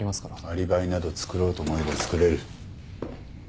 アリバイなど作ろうと思えば作れる。